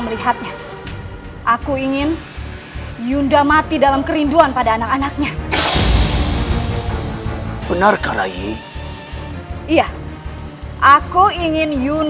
tentunya banggaran adventur ini akan melemahkan pada siapun